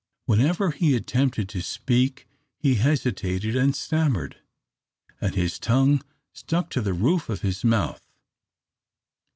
Whenever he attempted to speak he hesitated and stammered, and his tongue stuck to the roof of his mouth.